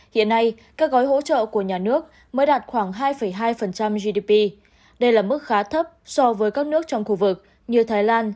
hiện nay các gói hỗ trợ của nhà nước mới đạt khoảng hai hai gdp đây là mức khá thấp so với các nước trong khu vực như thái lan